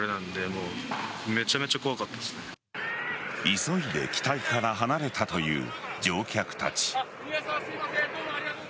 急いで機体から離れたという乗客たち。